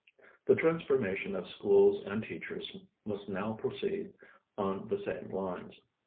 The transformation of schools and teachers must now proceed on the same lines.